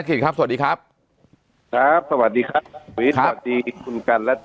กิจครับสวัสดีครับครับสวัสดีครับวันนี้สวัสดีคุณกันและ